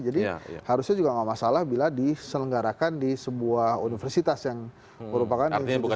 jadi harusnya juga nggak masalah bila diselenggarakan di sebuah universitas yang merupakan institusi pendidikan